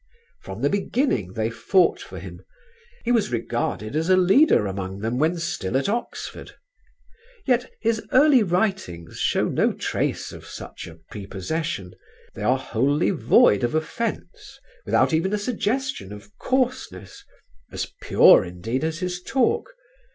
From the beginning they fought for him. He was regarded as a leader among them when still at Oxford. Yet his early writings show no trace of such a prepossession; they are wholly void of offence, without even a suggestion of coarseness, as pure indeed as his talk.